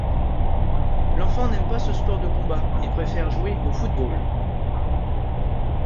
L'enfant n'aime pas ce sport de combat et préfère jouer au football.